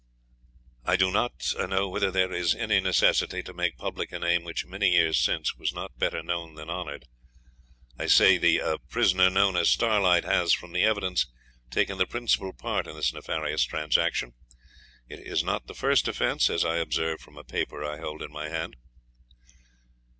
'I do not a know whether there is any necessity to make public a name which many years since was not better known than honoured. I say the a prisoner known as Starlight has, from the evidence, taken the principal part in this nefarious transaction. It is not the first offence, as I observe from a paper I hold in my hand.